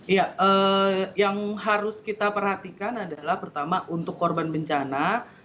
ya yang harus kita perhatikan adalah pertama untuk korban bencana